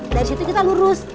dari situ kita lurus